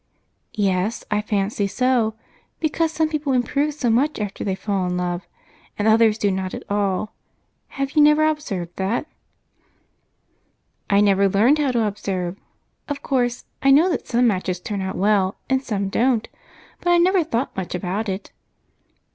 "Yes, I fancy so, because some people improve so much after they fall in love, and others do not at all. Have you never observed that?" "I never learned how to observe. Of course I know that some matches turn out well and some don't, but I never thought much about it."